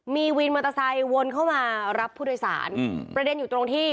มีวินมอเตอร์ไซค์วนเข้ามารับผู้โดยสารอืมประเด็นอยู่ตรงที่